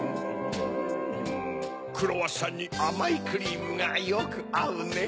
クロワッサンにあまいクリームがよくあうね。